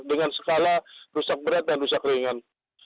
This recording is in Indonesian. dengan skala rusak berat dan rusak ringan